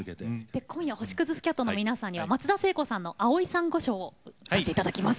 で今夜星屑スキャットの皆さんには松田聖子さんの「青い珊瑚礁」を歌って頂きます。